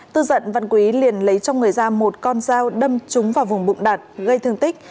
tức giận văn quý liền lấy trong người ra một con dao đâm trúng vào vùng bụng đạt gây thương tích